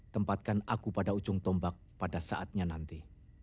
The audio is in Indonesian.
tempatkan aku pada ujung tombak pada saatnya nanti